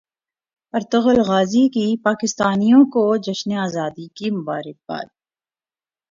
Ertugrul Ghazi کی پاکستانیوں کو جشن زادی کی مبارکباد